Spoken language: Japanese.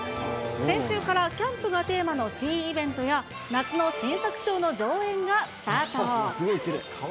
先週からキャンプがテーマの新イベントや、夏の新作ショーの上演がスタート。